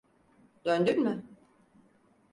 Döndün mü?